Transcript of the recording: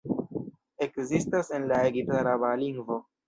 Ekzistas en la egipt-araba lingvo.